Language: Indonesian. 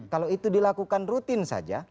kalau itu dilakukan rutin saja